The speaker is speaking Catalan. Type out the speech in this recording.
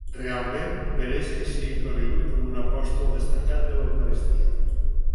Realment mereix que sigui conegut com un apòstol destacat de l'Eucaristia.